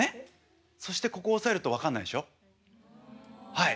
はい。